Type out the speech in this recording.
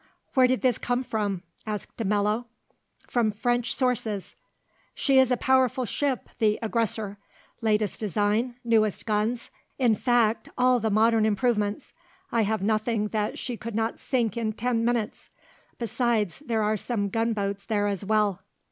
"Where did this come from?" asked de Mello. "From French sources." "She is a powerful ship, the Aggressor, latest design, newest guns, in fact all the modern improvements; I have nothing that she could not sink in ten minutes; besides, there are some gunboats there as well."